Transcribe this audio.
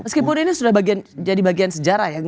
meskipun ini sudah jadi bagian sejarah ya